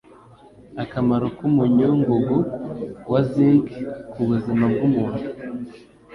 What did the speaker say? Akamaro k'umunyungungu wa ZINC ku buzima bw'umuntu